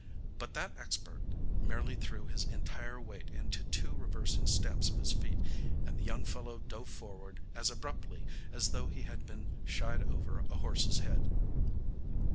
But that expert merely threw his entire weight into two reversing stamps of his feet, and the young fellow dove forward as abruptly as though he had been shied over a horse's head.